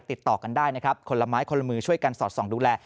ติดต่อกันได้นะครับคนละไม้คนละมือช่วยกันสอดส่องดูแล